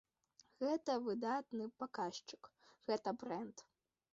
Гэта выдатны паказчык, гэта брэнд.